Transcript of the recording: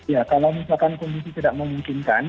ya kalau misalkan kondisi tidak memungkinkan